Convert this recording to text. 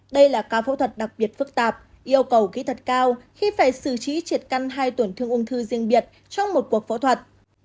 đây là ca phẫu thuật đặc biệt phức tạp yêu cầu kỹ thuật cao khi phải xử trí triệt căn hai tổn thương ung thư riêng biệt trong một cuộc phẫu thuật